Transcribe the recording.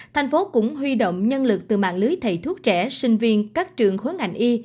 thành phố cũng huy động nhân lực từ mạng lưới thầy thuốc trẻ sinh viên các trường khối ngành y